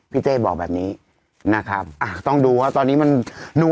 ก็ต้องลองไปดู